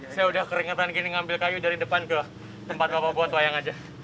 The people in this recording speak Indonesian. saya udah keringetan gini ngambil kayu dari depan ke tempat bapak buat wayang aja